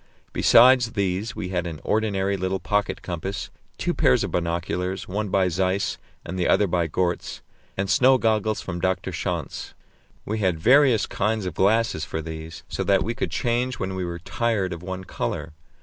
Besides these we had an ordinary little pocket compass, two pairs of binoculars, one by Zeiss and the other by Goertz, and snow goggles from Dr. Schanz. We had various kinds of glasses for these, so that we could change when we were tired of one colour.